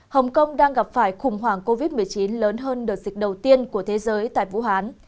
hồng kông đang gặp phải khủng hoảng covid một mươi chín lớn hơn đợt dịch đầu tiên của thế giới tại vũ hán